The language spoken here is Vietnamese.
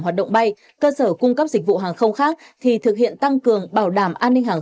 hoạt động bay cơ sở cung cấp dịch vụ hàng không khác thì thực hiện tăng cường bảo đảm an ninh hàng